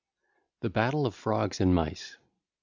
THE BATTLE OF FROGS AND MICE (ll.